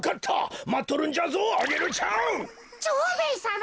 蝶兵衛さま